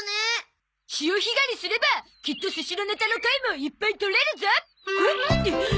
潮干狩りすればきっと寿司のネタの貝もいっぱいとれるゾ！